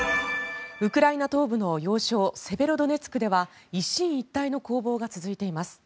ウクライナ東部の要衝セベロドネツクでは一進一退の攻防が続いています。